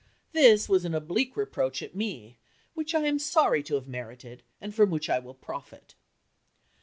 This was an oblique reproach at me, which I am sorry to have merited, and from which I will profit."